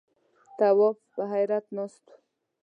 تواب په حيرت ناست و.